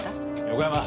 横山。